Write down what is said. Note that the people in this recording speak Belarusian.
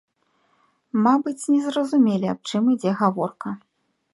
Мабыць, не зразумелі аб чым ідзе гаворка.